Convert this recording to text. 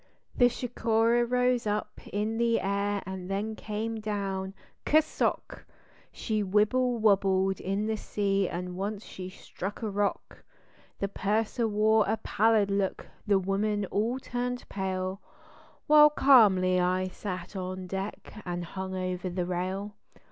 The "Chicora" rose up in the air and then came down "ker sock ; She wibble wobbled in the sea and once she struck a rock: The purser wore a pallid look, the women all turned pale, While calmly I sat out on deck and hung over the rail.